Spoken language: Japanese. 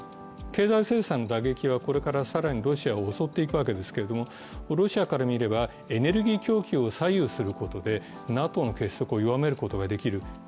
経済制裁の打撃はこれから更にロシアを襲っていくわけですけどもロシアから見れば、エネルギー供給を左右することでＮＡＴＯの結束を弱めることができる。